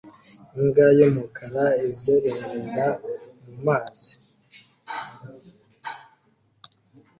Imbwa y'umukara izerera mu mazi